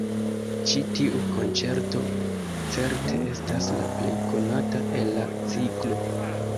Ĉi tiu konĉerto certe estas la plej konata el la ciklo.